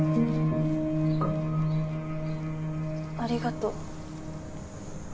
ありがと。